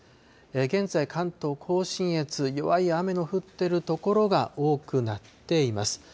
現在、関東甲信越、弱い雨の降っている所が多くなっています。